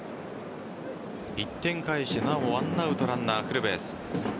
１点返してなおも１アウトランナーフルベース。